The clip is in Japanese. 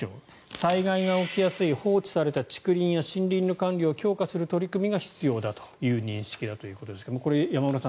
災害が起きやすい放置された竹林や森林の管理を強化する取り組みが必要という認識のようですがこれ、山村さん